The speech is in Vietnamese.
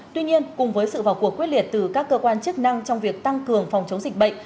tuy nhiên cùng với sự vào cuộc quyết liệt từ các cơ quan chức năng trong việc tăng cường phòng chống dịch bệnh